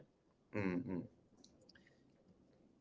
อืม